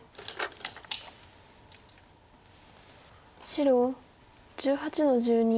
白１８の十二。